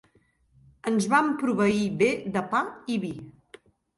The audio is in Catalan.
Ens vam proveir bé de pa i vi.